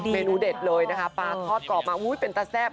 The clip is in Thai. เมนูเด็ดเลยนะคะปลาทอดกรอบมาอุ้ยเป็นตาแซ่บ